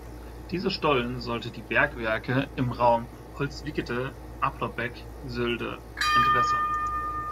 Dieser Stollen sollte die Bergwerke im Raum Holzwickede-Aplerbeck-Sölde entwässern.